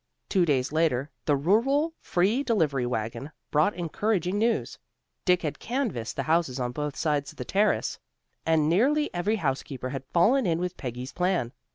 Two days later, the Rural Free Delivery wagon brought encouraging news. Dick had canvassed the houses on both sides the Terrace, and nearly every housekeeper had fallen in with Peggy's plan.